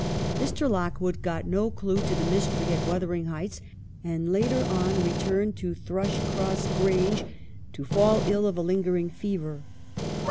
Mr. Lockwood got no clue to the mystery at ' Wuthering Heights ;' and later on returned to Thrushcross Grange, to fall ill of a lingering fever.